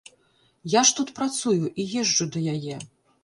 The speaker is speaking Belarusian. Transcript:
Я ж тут працую і езджу да яе.